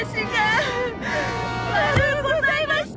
悪うございました！